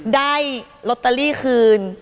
ได้ลอตเตอรี่คืน